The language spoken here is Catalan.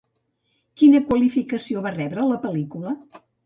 Quina qualificació va rebre la pel·lícula?